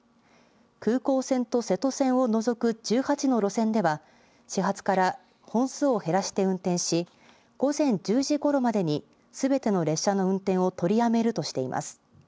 空港線と瀬戸線を除く１８の路線では始発から本数を減らして運転し、午前１０時ごろまでにすべての列車の運転を取りやめるとしています。